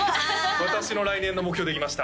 私の来年の目標できました